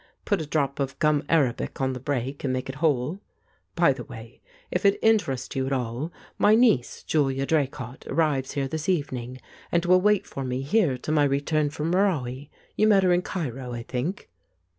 Put a drop of gum arabic on the break and make it whole. By the way, 194 The Ape if it interests you at all, my niece Julia Draycott arrives here this evening, and will wait for me here till my return from Merawi. You met her in Cairo, I think."